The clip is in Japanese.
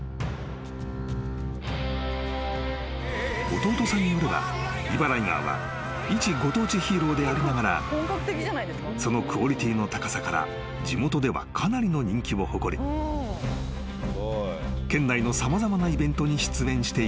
［弟さんによればイバライガーはいちご当地ヒーローでありながらそのクオリティーの高さから地元ではかなりの人気を誇り県内の様々なイベントに出演しているとのこと］